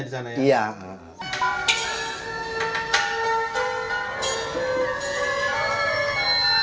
lepas latihan di rumah